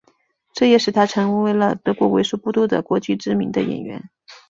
这也使他成为了德国为数不多的国际知名的演员。